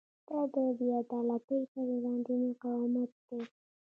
دا د بې عدالتۍ پر وړاندې مقاومت دی.